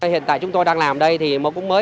hiện tại chúng tôi đang làm đây thì mỗi cung mơ